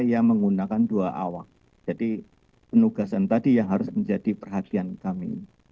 yang menggunakan dua awak jadi penugasan tadi yang harus menjadi perhatian kami